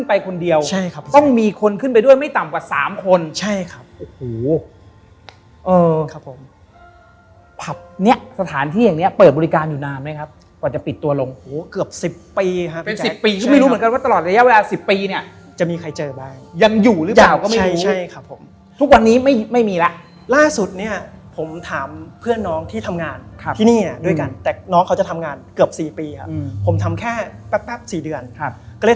แกคิดอะไรไม่รู้แกก็ขันมาหาผมอีกทีหนึ่ง